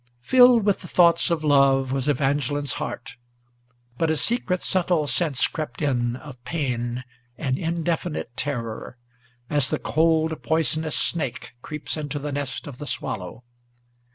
Filled with the thoughts of love was Evangeline's heart, but a secret, Subtile sense crept in of pain and indefinite terror, As the cold, poisonous snake creeps into the nest of the swallow.